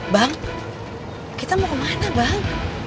bang kita mau kemana bang